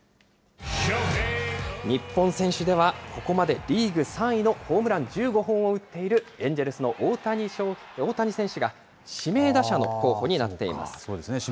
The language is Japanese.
日本選手では、ここまでリーグ３位のホームラン１５本を打っているエンジェルスの大谷選手が、指名打者の候補になっています。